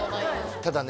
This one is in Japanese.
ただね